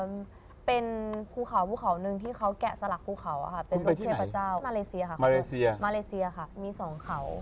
มาเลเซียค่ะมาเลเซียมาเลเซียค่ะมีสองเขา